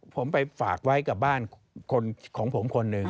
ผมไปฝากไว้กับบ้านของผมคนหนึ่ง